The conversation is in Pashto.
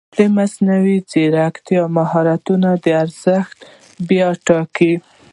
مصنوعي ځیرکتیا د مهارتونو ارزښت بیا ټاکي.